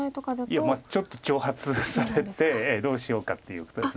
ちょっと挑発されてどうしようかっていうことです。